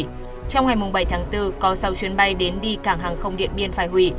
trong ngày bảy tháng bốn có sáu chuyến bay đến đi cảng hàng không điện biên phải hủy